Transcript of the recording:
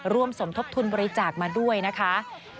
สมทบทุนบริจาคมาด้วยนะคะ